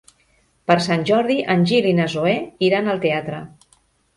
Per Sant Jordi en Gil i na Zoè iran al teatre.